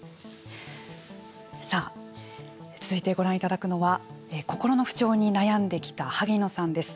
さあ、続いてご覧いただくのは心の不調に悩んできた萩野さんです。